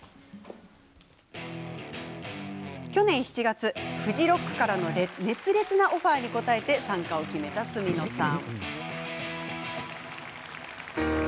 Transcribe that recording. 去年７月、フジロックからの熱烈なオファーに応えて参加を決めた角野さん。